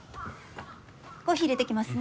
コーヒーいれてきますね。